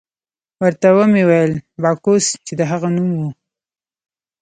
ورته ومې ویل: باکوس، چې د هغه نوم وو.